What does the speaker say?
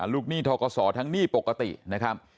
หนี้ทกศทั้งหนี้ปกตินะครับ